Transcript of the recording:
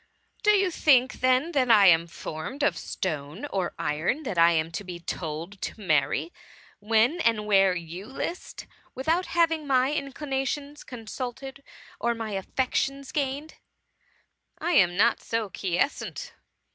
^<< Do you think, then, that I am formed of stone or iron, that I am to be told to marry when and where you list, without having my inclinations consulted or my affections gained ? I am not so quiescent.